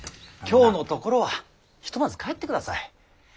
今日のところはひとまず帰ってください。